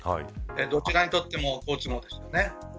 どちらにとっても好都合ですよね。